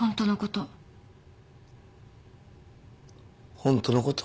ホントのこと。